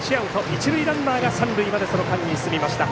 一塁ランナーが三塁までその間に進みました。